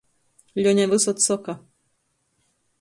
Ļone vysod soka.